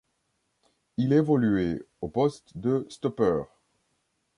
Il évoluait au poste de stoppeur.